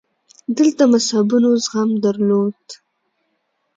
دلته مذهبونو زغم درلود